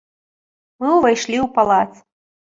Мы ўвайшлі ў палац.